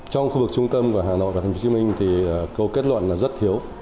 trong khu vực trung tâm của hà nội và tp hcm câu kết luận rất thiếu